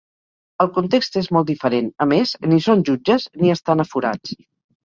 El context és molt diferent; a més, ni són jutges ni estan aforats.